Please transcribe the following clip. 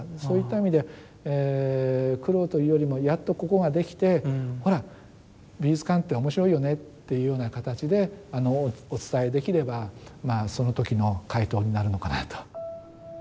そういった意味で苦労というよりもやっとここができてほら美術館って面白いよねっていうような形でお伝えできればまあその時の回答になるのかなと。